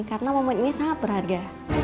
karena momen ini sangat berharga